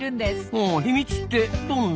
おお秘密ってどんな？